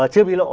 chưa bị lộ